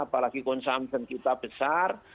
apalagi consumption kita besar